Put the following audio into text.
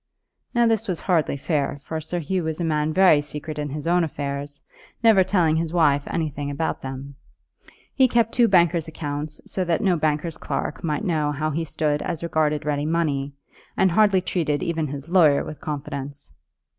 Now this was hardly fair, for Sir Hugh was a man very secret in his own affairs, never telling his wife anything about them. He kept two banker's accounts so that no banker's clerk might know how he stood as regarded ready money, and hardly treated even his lawyer with confidence.